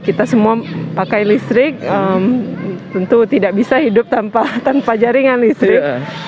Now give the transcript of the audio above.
kita semua pakai listrik tentu tidak bisa hidup tanpa jaringan listrik